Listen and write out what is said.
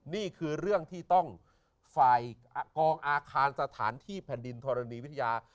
นี่คือเรื่องที่ต้องฝ่ายกองอาคารสถานที่แผ่นดินธรณีวิทยา